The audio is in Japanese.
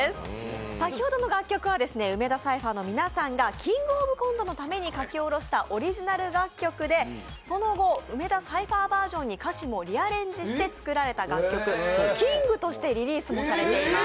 先ほどの楽曲は梅田サイファーの皆さんが「キングオブコント」のために書き下ろしたオリジナル楽曲で、その後、梅田サイファーバージョンに歌詞もリアレンジして作られた楽曲、「ＫＩＮＧ」としてリリースもされています。